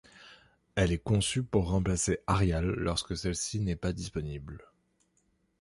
Elle est conçue pour remplacer Arial lorsque celle-ci n’est pas disponible.